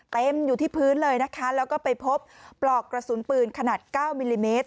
เต็มอยู่ที่พื้นเลยนะคะแล้วก็ไปพบปลอกกระสุนปืนขนาด๙มิลลิเมตร